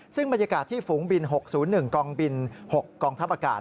ซึ่งบรรยากาศที่ฝูงบิน๖๐๑กองบิน๖กองทัพอากาศ